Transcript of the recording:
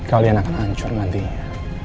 kalian akan hancur nantinya